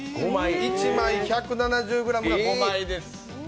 １枚１７０ｇが５枚です。